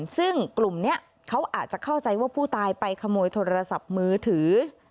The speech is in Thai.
ซึ่งกลุ่มนี้เขาอาจจะเข้าใจว่าผู้ตายไปขโมยโทรศัพท์มือถือ